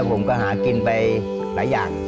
ผมก็หากินไปหลายอย่าง